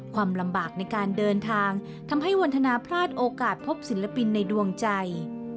ความลำบากในการเดินทางทำให้วันทนาพลาดโอกาสพบศิลปินในดวงใจ